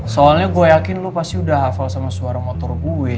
soalnya gue yakin lo pasti udah hafal sama suara motor gue